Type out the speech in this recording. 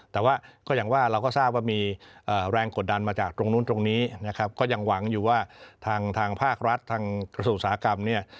แต่ว่าก็อย่างว่าเราก็ทราบว่ามีแรงกดดันมาจากตรงนู้นตรงนี้นะครับก็ยังหวังอยู่ว่าทางภาครัฐทางกระทรวงอุตสาหกรรมเนี่ย